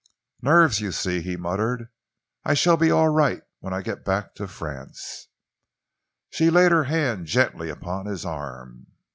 "Nerves, you see," he muttered. "I shall be all right again when I get back to France." She laid her hand gently upon his arm.